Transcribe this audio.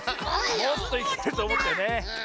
もうちょっといけるとおもったよね。